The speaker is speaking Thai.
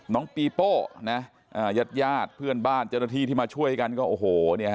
น้องปีโป้นะญาติญาติเพื่อนบ้านเจ้าหน้าที่ที่มาช่วยกันก็โอ้โห